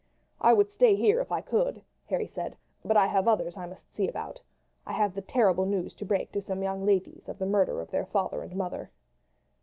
"I would stay here if I could," Harry said; "but I have others I must see about. I have the terrible news to break to some young ladies of the murder of their father and mother."